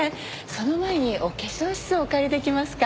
その前にお化粧室をお借りできますか？